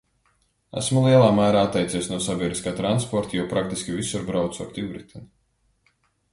Esmu lielā mērā atteicies no sabiedriskā transporta, jo praktiski visur braucu ar divriteni.